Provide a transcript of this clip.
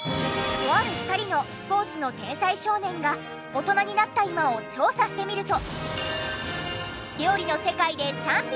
とある２人のスポーツの天才少年が大人になった今を調査してみると。